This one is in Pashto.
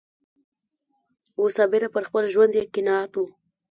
وو صابره پر خپل ژوند یې قناعت و